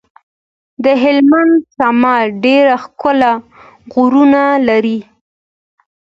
د هلمند شمال ډير ښايسته غرونه لري.